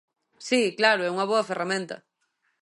Si, claro, é unha boa ferramenta.